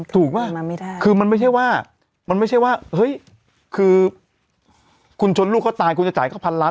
ถูกปะคือมันไม่ใช่ว่าคุณชนลูกเขาตายคุณจะจ่ายเขาพันล้าน